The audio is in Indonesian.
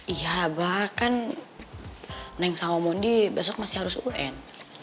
iya bahkan neng sama mundi besok masih harus un